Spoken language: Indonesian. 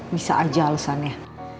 bisa aja alesannya